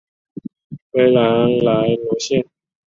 维兰莱罗谢。